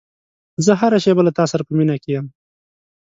زه هره شېبه له تا سره په مینه کې یم.